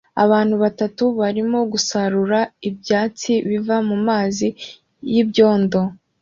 Abantu batatu barimo gusarura ibyatsi biva mumazi y'ibyondo